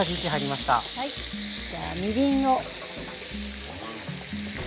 じゃあみりんを。